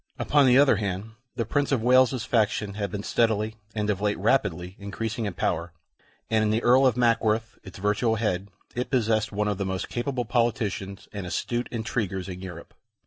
Upon the other hand, the Prince of Wales's faction had been steadily, and of late rapidly, increasing in power, and in the Earl of Mackworth, its virtual head, it possessed one of the most capable politicians and astute intriguers in Europe.